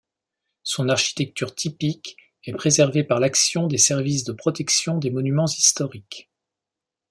Son architecture typique est préservée par l'action des services de protection des Monuments historiques.